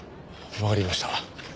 わかりました。